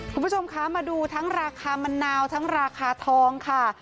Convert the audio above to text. คุณผู้ชมคะมาดูทั้งราคามะนาวทั้งราคาทองค่ะ